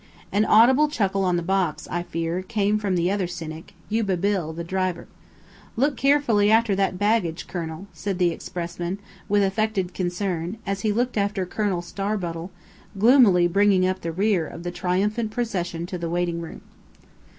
An audible chuckle on the box, I fear, came from that other cynic, "Yuba Bill," the driver. "Look keerfully arter that baggage, Kernel," said the expressman, with affected concern, as he looked after Colonel Starbottle, gloomily bringing up the rear of the triumphant procession to the waiting room.